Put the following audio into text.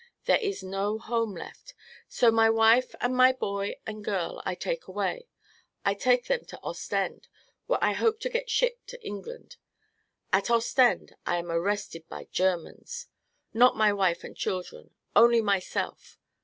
There is no home left. So my wife and my boy and girl I take away; I take them to Ostend, where I hope to get ship to England. At Ostend I am arrested by Germans. Not my wife and children; only myself.